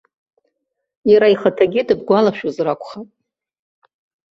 Иара ихаҭагьы дыбгәалашәозар акәхап.